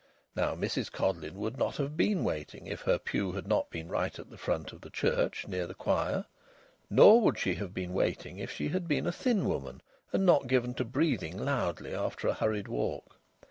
Now Mrs Codleyn would not have been waiting if her pew had not been right at the front of the church, near the choir. Nor would she have been waiting if she had been a thin woman and not given to breathing loudly after a hurried walk.